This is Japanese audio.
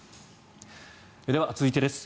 では、続いてです。